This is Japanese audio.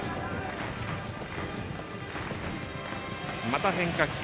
また変化球。